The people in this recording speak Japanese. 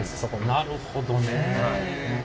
なるほどねえ。